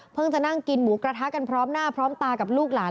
จะนั่งกินหมูกระทะกันพร้อมหน้าพร้อมตากับลูกหลาน